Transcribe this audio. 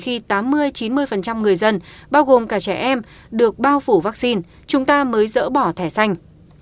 trong lộ trình tiêm chủng vaccine covid một mươi chín phải đến khi tám mươi chín mươi người dân bao gồm cả trẻ em được bao phủ vaccine chúng ta mới dỡ bỏ thẻ xanh